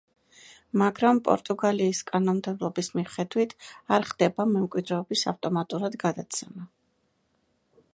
მაგრამ პორტუგალიის კანონმდებლობის მიხედვით არ ხდება მემკვიდრეობის ავტომატურად გადაცემა.